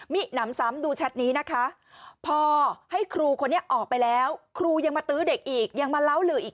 หนำซ้ำดูแชทนี้นะคะพอให้ครูคนนี้ออกไปแล้วครูยังมาตื้อเด็กอีกยังมาเล่าหลืออีก